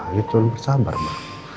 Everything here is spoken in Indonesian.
ya itu lo yang bersabar ma